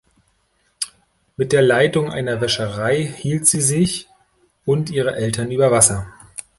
Mit der Leitung einer Wäscherei hielt sie sich und ihre Eltern über Wasser.